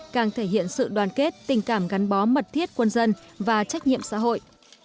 càng thể hiện sự đoàn kết tình cảm gắn bó mật thiết quân dân và trách nhiệm xã hội